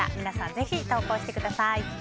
ぜひ投稿してください。